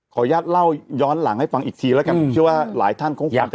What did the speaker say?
ญาติเล่าย้อนหลังให้ฟังอีกทีแล้วกันผมเชื่อว่าหลายท่านคงจะ